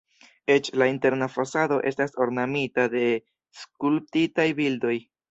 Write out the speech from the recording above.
Eĉ la interna fasado estas ornamita de skulptitaj bildoj.